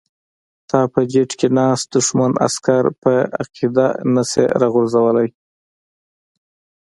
ته په جیټ کې ناست دښمن عسکر په عقیده نشې راغورځولی.